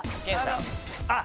あっ！